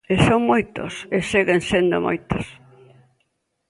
E son moitos, e seguen sendo moitos.